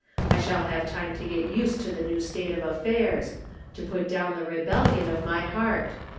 I shall have time to get used to the new state of affairs — to put down the rebellion of my heart.